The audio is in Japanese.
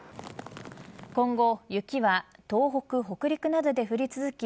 今後雪は東北北陸などで降り続き